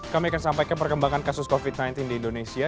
kami akan sampaikan perkembangan kasus covid sembilan belas di indonesia